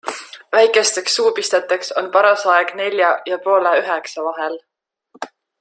Väikesteks suupisteteks on paras aeg nelja ja poole üheksa vahel.